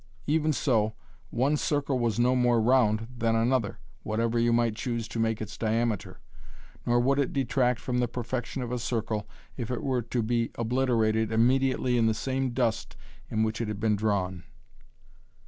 Even so one circle was no more round than another, whatever you might choose to make its diameter, nor would it detract from the perfection of a circle if it were to be obliterated immediately in the same dust in which it had been drawn.